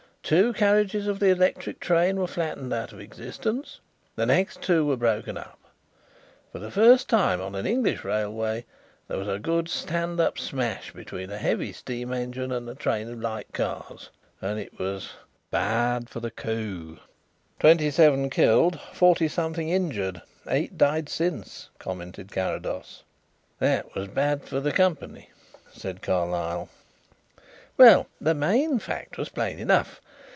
Two carriages of the electric train were flattened out of existence; the next two were broken up. For the first time on an English railway there was a good stand up smash between a heavy steam engine and a train of light cars, and it was 'bad for the coo.'" "Twenty seven killed, forty something injured, eight died since," commented Carrados. "That was bad for the Co.," said Carlyle. "Well, the main fact was plain enough.